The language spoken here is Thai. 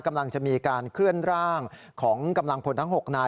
กำลังจะมีการเคลื่อนร่างของกำลังพลทั้ง๖นาย